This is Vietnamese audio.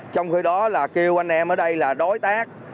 trong khi đó là kêu anh em ở đây là đối tác